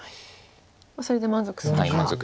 それで満足するか。